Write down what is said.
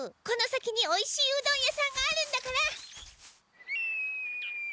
この先においしいうどん屋さんがあるんだから。